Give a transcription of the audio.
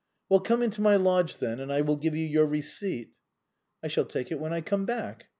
" Well, come into my lodge, then, and I will give you your receipt." " I shall take it when I come back."